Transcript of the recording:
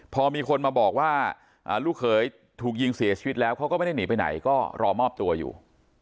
พอมีคนมาบอกว่าลูกเขยถูกยิงเสียชีวิตแล้วเขาก็ไม่ได้หนีไปไหนก็รอมอบตัวอยู่